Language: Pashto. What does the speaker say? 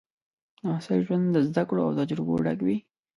د محصل ژوند د زده کړو او تجربو ډک وي.